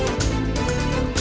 teganya teganya teganya